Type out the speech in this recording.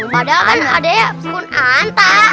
padahal kan ada ya kunanta